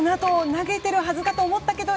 投げてるはずかと思ったけど。